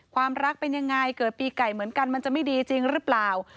ความรักเป็นยังไงเกิดปีไก่เหมือนกันมันจะไม่ดีจริงหรือเปล่า